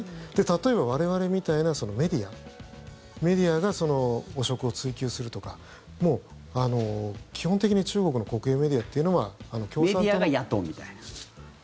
例えば、我々みたいなメディアが汚職を追及するとかも基本的に中国の国営メディアというのはメディアが野党みたいな。